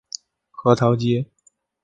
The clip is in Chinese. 核桃街。